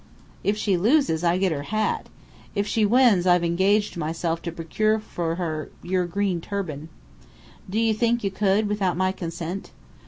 "If she loses, I get her hat. If she wins, I've engaged myself to procure for her your green turban." "Did you think you could, without my consent?"